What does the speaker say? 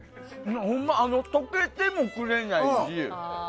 ほんま、溶けてもくれないし。